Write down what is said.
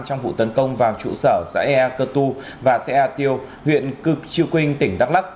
trong vụ tấn công vào trụ sở giãi ea cơ tu và xe ea tiêu huyện cực trư quỳnh tỉnh đắk lắc